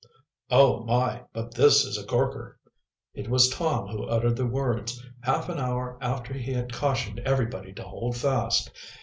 "Oh, my, but this is a corker!" It was Tom who uttered the words, half an hour after he had cautioned everybody to hold fast.